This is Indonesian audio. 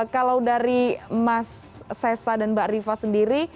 kalau dari mas sessa dan mbak riva sendiri